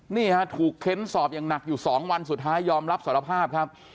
นี่ฮะถูกเค้นสอบอย่างหนักอยู่๒วันสุดท้ายยอมรับสารภาพครับ